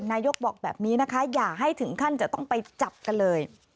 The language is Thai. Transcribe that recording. นายกบอกแบบนี้นะคะอย่าให้ถึงขั้นจะต้องไปจับกันเลย